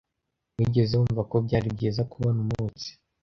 Wigeze wumva ko byari byiza kubona umunsi?